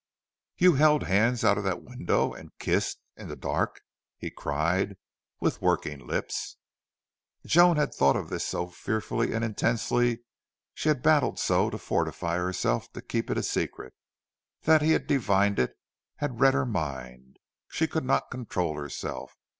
"You held hands out of that window and kissed in the dark?" he cried, with working lips. Joan had thought of this so fearfully and intensely she had battled so to fortify herself to keep it secret that he had divined it, had read her mind. She could not control herself.